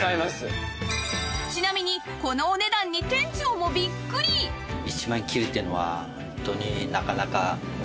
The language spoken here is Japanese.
ちなみにこのお値段に店長もビックリ！ですよね。